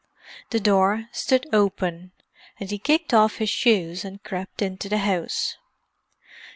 The door stood open, and he kicked off his shoes and crept into the house.